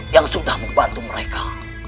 yang sudah membantu mereka